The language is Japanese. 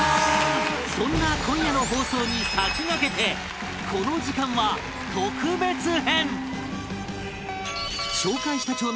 そんな今夜の放送に先駆けてこの時間は特別編！